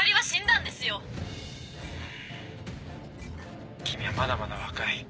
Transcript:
ん君はまだまだ若い。